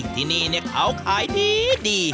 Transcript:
ที่นี่เขาขายดี